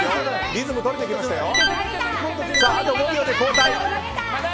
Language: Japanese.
リズム取れてきましたよ。